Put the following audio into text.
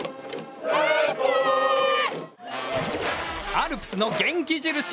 アルプスの元気印